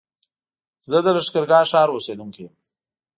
زه د لښکرګاه ښار اوسېدونکی يم